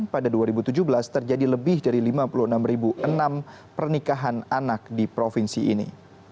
pada dua ribu tujuh belas terjadi lebih dari lima puluh enam enam pernikahan anak di provinsi ini